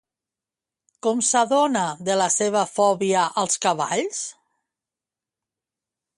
Com s'adona de la seva fòbia als cavalls?